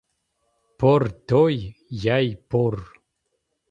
Бор дой, яй бор.